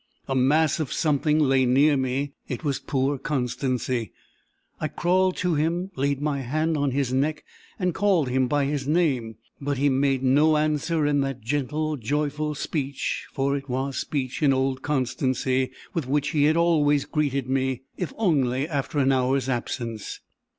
A mass of something lay near me. It was poor Constancy. I crawled to him, laid my hand on his neck, and called him by his name. But he made no answer in that gentle, joyful speech for it was speech in old Constancy with which he always greeted me, if only after an hour's absence.